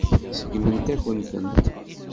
Seggment-akent-tent.